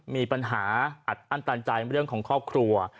มีปัญหาอัดอั้นตันใจเรื่องของครอบครัว